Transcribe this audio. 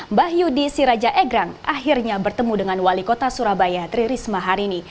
mbah yudi siraja egrang akhirnya bertemu dengan wali kota surabaya tri risma hari ini